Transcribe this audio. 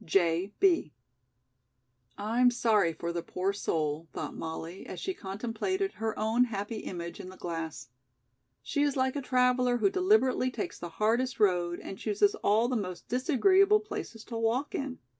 J. B." "I'm sorry for the poor soul," thought Molly, as she contemplated her own happy image in the glass. "She is like a traveller who deliberately takes the hardest road and chooses all the most disagreeable places to walk in.